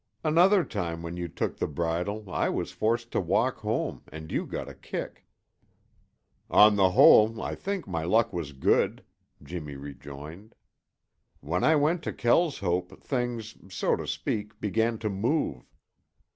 "Another time when you took the bridle I was forced to walk home and you got a kick." "On the whole, I think my luck was good," Jimmy rejoined. "When I went to Kelshope, things, so to speak, began to move."